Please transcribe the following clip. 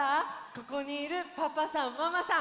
ここにいるパパさんママさん